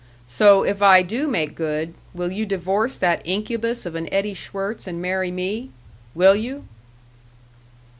So, if I do make good, will you divorce that incubus of an Eddie Schwirtz and marry me? Will you?"